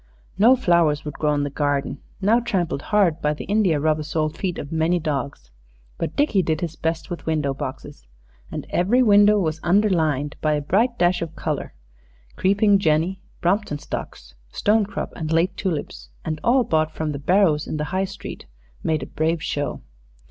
No flowers would grow in the garden, now trampled hard by the india rubber soled feet of many dogs; but Dickie did his best with window boxes, and every window was underlined by a bright dash of color creeping jenny, Brompton stocks, stonecrop, and late tulips, and all bought from the barrows in the High Street, made a brave show.